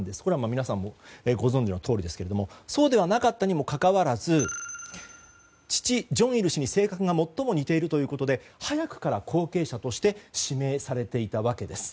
皆さんもご存じのとおりですがそうではなかったにもかかわらず父・正日氏に性格が最も似ているということで早くから後継者として指名されていたわけです。